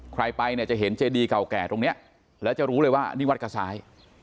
ใครไปเนี่ยจะเห็นเจดีเก่าแก่ตรงนี้แล้วจะรู้เลยว่านี่วัดกระซ้าย